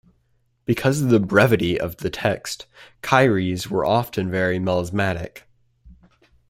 Because of the brevity of the text, Kyries were often very melismatic.